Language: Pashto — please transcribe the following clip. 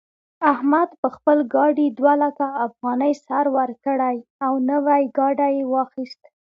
احمد په خپل ګاډي دوه لکه افغانۍ سر ورکړې او نوی ګاډی يې واخيست.